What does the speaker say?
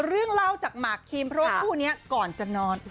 เรื่องเล่าจากหมากคิมเพราะว่าคู่นี้ก่อนจะนอน